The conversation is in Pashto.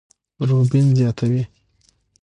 روبين زياتوي،